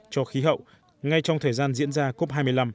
cho khí hậu ngay trong thời gian diễn ra cop hai mươi năm